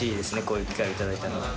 こういう機会を頂いたのは。